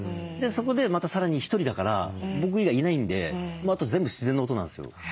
そこでまたさらにひとりだから僕以外いないんであと全部自然の音なんですよ。